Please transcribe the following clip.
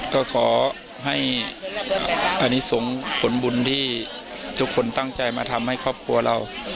ก็ขอให้อันนี้ส่งผลบุญที่ทุกคนตั้งใจมาทำให้ครอบครัวเรา